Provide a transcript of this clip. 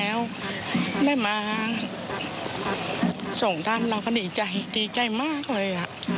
เราก็ได้มาส่งท่านเราดีใจมากเลย